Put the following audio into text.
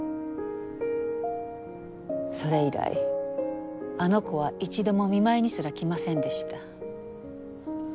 それ以来あの子は一度も見舞いにすら来ませんでした。